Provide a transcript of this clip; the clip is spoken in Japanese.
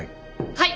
はい。